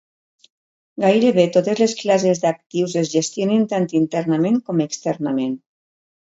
Gairebé totes les classes d'actius es gestionen tant internament com externament.